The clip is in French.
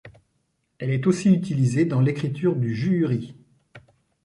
Elle est aussi utilisée dans l’écriture du juhuri.